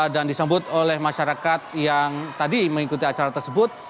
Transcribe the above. dan disambut oleh masyarakat yang tadi mengikuti acara tersebut